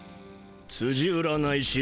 つじ占い師